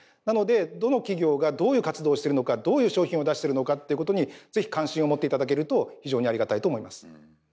なのでどの企業がどういう活動をしてるのかどういう商品を出してるのかということに是非関心を持って頂けると非常にありがたいと思います。